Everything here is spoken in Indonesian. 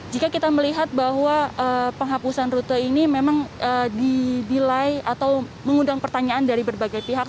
jika kita melihat bahwa penghapusan rute ini memang didilai atau mengundang pertanyaan dari berbagai pihak